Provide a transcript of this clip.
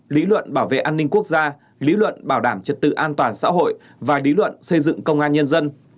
lý luận bảo vệ an ninh quốc gia lý luận bảo đảm trật tự an toàn xã hội và lý luận xây dựng công an nhân dân